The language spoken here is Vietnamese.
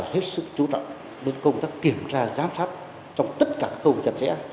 hết sức chú trọng đến công tác kiểm tra giám sát trong tất cả các khẩu vực chặt chẽ